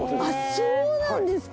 そうなんですか。